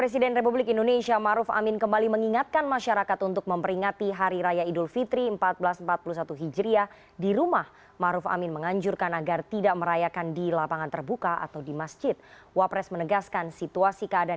justru meningkatkan sendaritas di antara kita